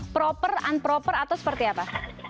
proper unproper atau seperti apa